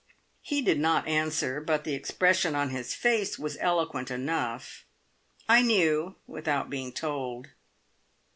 He did not answer, but the expression on his face was eloquent enough. I knew, without being told.